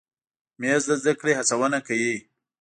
مېز د زده کړې هڅونه کوي.